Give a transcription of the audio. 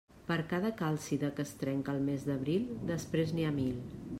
Per cada calcida que es trenca al mes d'Abril, després n'hi ha mil.